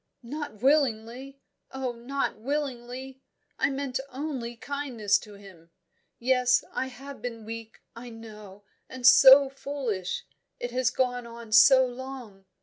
"Not willingly! Oh, not willingly! I meant only kindness to him. Yes, I have been weak, I know, and so foolish! It has gone on so long.